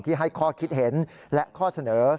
ให้ข้อคิดเห็นและข้อเสนอ